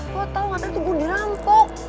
lo tau gak tuh gue dirampok